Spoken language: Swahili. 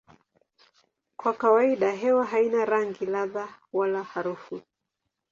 Kwa kawaida hewa haina rangi, ladha wala harufu.